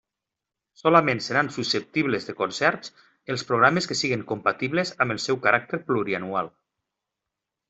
Solament seran susceptibles de concerts els programes que siguen compatibles amb el seu caràcter plurianual.